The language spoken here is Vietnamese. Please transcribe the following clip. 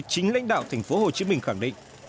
chính lãnh đạo thành phố hồ chí minh khẳng định